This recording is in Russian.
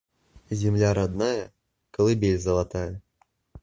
Земля родная - колыбель золотая.